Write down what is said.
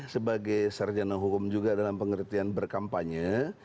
sebagai sarjana hukum juga dalam pengertian berkampanye